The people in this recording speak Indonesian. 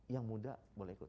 yang muda boleh ikut